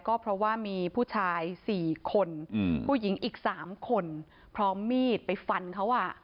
ก็เพราะว่ามีผู้ชาย๔คนผู้หญิงอีก๓คนพร้อมมีดไปฟันเขาอ่ะ